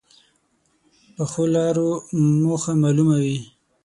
پخو لارو موخه معلومه وي